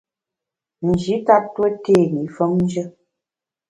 Nji tap tue té i femnjù.